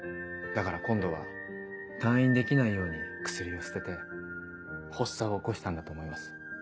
だから今度は退院できないように薬を捨てて発作を起こしたんだと思います。